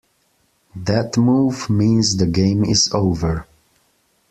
That move means the game is over.